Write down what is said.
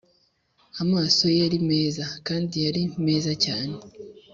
amaso ye yari meza, kandi yari meza cyane;